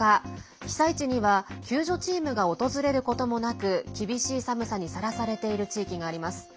被災地には救助チームが訪れることもなく厳しい寒さにさらされている地域があります。